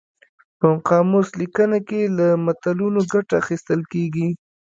په قاموس لیکنه کې له متلونو ګټه اخیستل کیږي